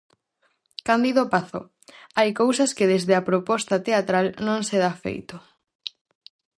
Cándido Pazó "hai cousas que desde a proposta teatral non se da feito".